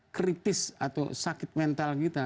kritis atau sakit mental kita